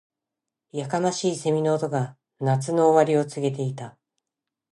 •やかましい蝉の声が、夏の終わりを告げていた。